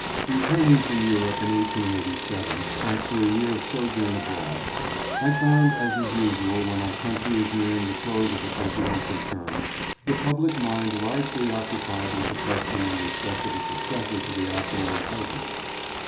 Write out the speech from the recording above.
RETURNING from Europe in 1887 after a year of sojourn abroad, I found, as is usual when our coun try is nearing the close of a presidential term, the public mind largely occupied with the question in respect of a successor to the outgoing President.